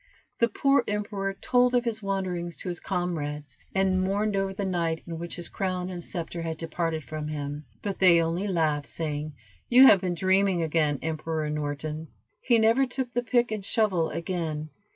The poor emperor told of his wanderings to his comrades, and mourned over the night in which his crown and scepter had departed from him, but they only laughed, saying, "You have been dreaming again, Emperor Norton." He never took the pick and shovel again.